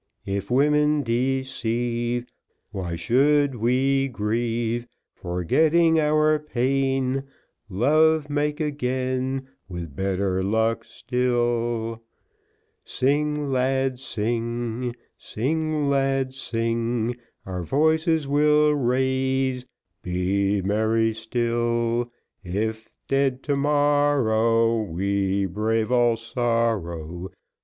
If women deceive Why should we grieve? Forgetting our pain, Love make again, With better luck still. Sing, lads, sing; Sing, lads, sing. Our voices we'll raise; Be merry still; If dead to morrow, We brave all sorrow.